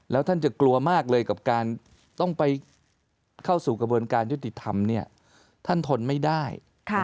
แล้วท่านจะกลัวมากเลยกับการต้องไปเข้าสู่กระบวนการยุติธรรมเนี่ยท่านทนไม่ได้